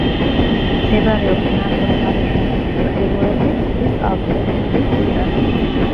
მდებარეობს ნასოფლარ იხინჭის ჩრდილოეთით, მთის კალთაზე, ტყის პირას.